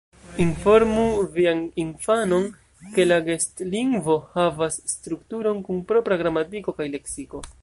Informu vian infanon, ke la gestlingvo havas strukturon, kun propra gramatiko kaj leksiko.